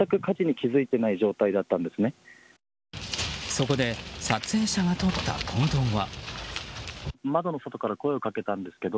そこで撮影者がとった行動は。